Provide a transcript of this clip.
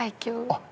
あっ